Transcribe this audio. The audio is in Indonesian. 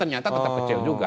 ternyata tetap kecil juga